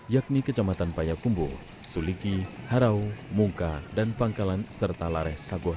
yakni kecamatan payakumbu suliki harau mungka dan pangkalan serta lareh saguha